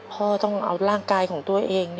ต้องเอาร่างกายของตัวเอง